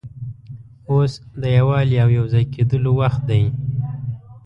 اوس د یووالي او یو ځای کېدلو وخت دی.